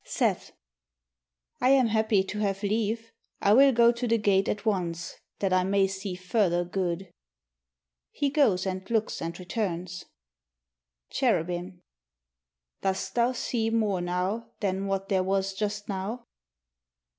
Seth I am happy to have leave; I will go to the gate at once, That I may see further good. [He goes and looks and returns. Cherubin Dost thou see more now Than what there was just now?